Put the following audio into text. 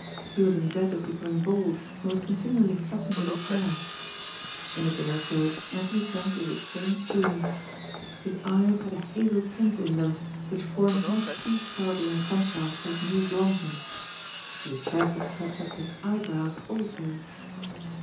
He was in dread of becoming bald and was continually fussing with his hair. In a day or so Anthony Trent was a changed being. His eyes had a hazel tint in them which formed not too startling a contrast to his new blondness. He was careful to touch up his eyebrows also.